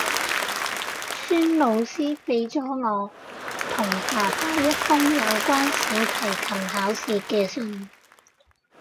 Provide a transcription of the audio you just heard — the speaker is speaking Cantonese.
孫老師畀咗我同爸爸一封有關小提琴考試嘅信